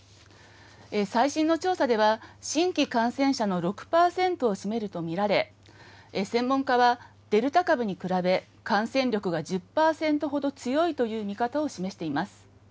最新の調査では、新規感染者の６％を占めると見られ、専門家は、デルタ株に比べ、感染力が１０％ほど強いという見方を示しています。